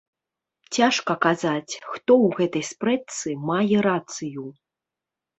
Цяжа казаць, хто ў гэтай спрэчцы мае рацыю.